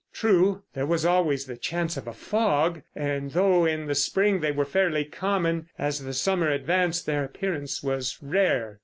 True, there was always the chance of a fog, and though in the spring they were fairly common, as the summer advanced their appearance was rare.